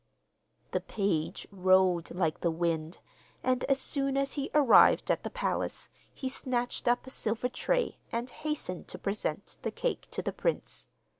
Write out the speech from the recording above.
The page rode like the wind, and as soon as he arrived at the palace he snatched up a silver tray and hastened to present the cake to the prince.